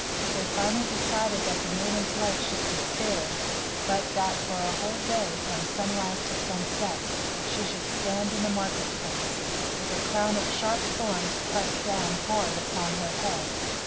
They finally decided that the maiden's life should be spared, but that for a whole day, from sunrise to sunset, she should stand in the market place, with a crown of sharp thorns pressed down hard upon her head.